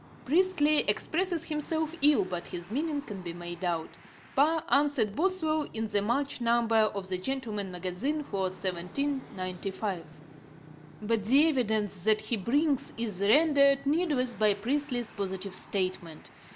Priestley expresses himself ill, but his meaning can be made out. Parr answered Boswell in the March number of the Gent. Mag. for 1795, p. 179. But the evidence that he brings is rendered needless by Priestley's positive statement.